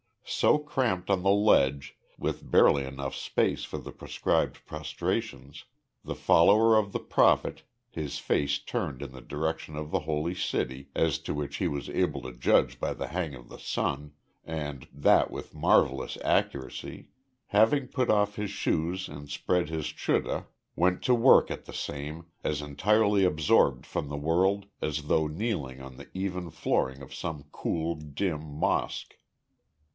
So cramped on the ledge, with barely enough space for the prescribed prostrations, the follower of the Prophet, his face turned in the direction of the Holy City as to which he was able to judge by the hang of the sun, and that with marvellous accuracy having put off his shoes and spread his chudda went to work at the same, as entirely absorbed from the world as though kneeling on the even flooring of some cool, dim mosque.